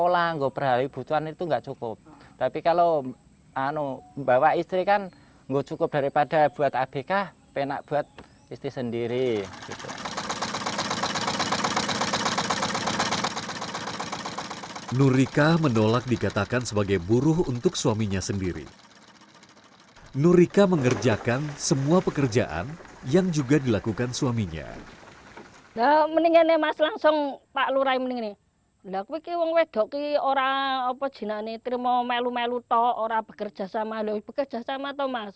lagi lagi orang orang jenak nih terima melu melu tau orang bekerja sama bekerja sama tau mas